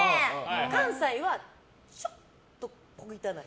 関西は、ちょっと小汚い。